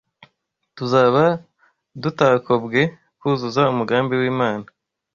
tuzaba dutakobwe kuzuza umugambi w’Imana